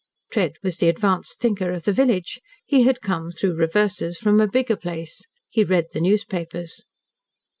Tread was the advanced thinker of the village. He had come through reverses from a bigger place. He read the newspapers.